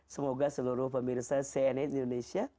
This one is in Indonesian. semoga seluruh pemirsa cnn indonesia